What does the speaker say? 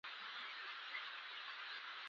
دنیا زما خندا لیدل نه غواړي